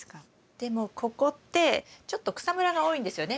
でもここってちょっと草むらが多いんですよね